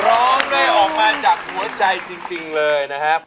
ร้องได้ออกมาจากหัวใจจริงเลยนะครับ